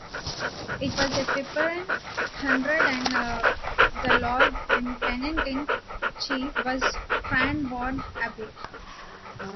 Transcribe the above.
It was in Pimperne Hundred and the lord and tenant-in-chief was Cranborne Abbey.